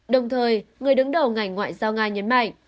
đồng thời người đứng đầu ngành ngoại giao nga nhấn mạnh